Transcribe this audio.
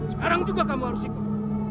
sekarang juga kamu harus ikut